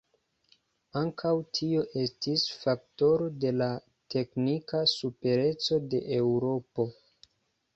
Ankaŭ tio estis faktoro de la teknika supereco de Eŭropo.